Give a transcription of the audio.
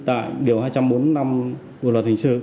tại điều hai trăm bốn mươi năm của luật hình sơ